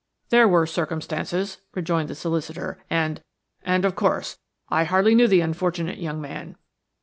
"There were circumstances–" rejoined the solicitor, "and–and, of course, I hardly knew the unfortunate young man.